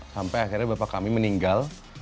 sampai akhirnya bapak kami meninggal